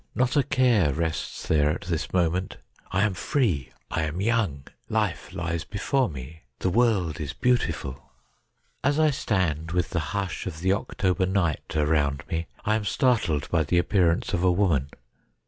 Not a care rests there at this moment. I am free. I am young. Life lies before me. The world is beautiful. As I stand with the hush of the October night around me, I am startled by the appearance of a woman.